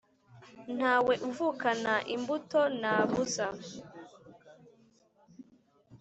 Ntawe uvukana imbuto na buza,